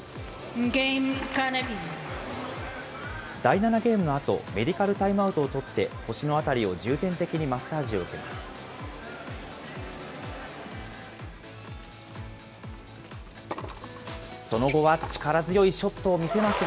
第７ゲームのあと、メディカルタイムアウトを取って、腰のあたりを重点的にマッサージを受けます。